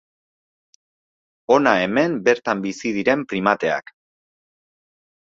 Hona hemen bertan bizi diren primateak.